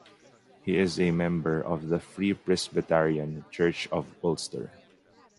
He is a member of the Free Presbyterian Church of Ulster.